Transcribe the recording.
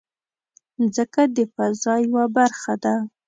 مځکه د فضا یوه برخه ده.